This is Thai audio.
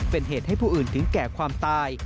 เป็นเหตุให้ผู้อื่นถึงแก่ความตาย